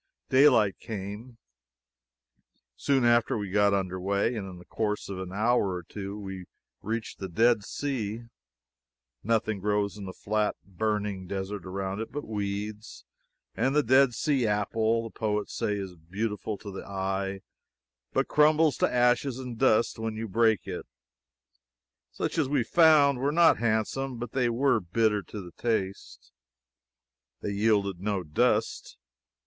Daylight came, soon after we got under way, and in the course of an hour or two we reached the Dead Sea. Nothing grows in the flat, burning desert around it but weeds and the Dead Sea apple the poets say is beautiful to the eye, but crumbles to ashes and dust when you break it. Such as we found were not handsome, but they were bitter to the taste. They yielded no dust.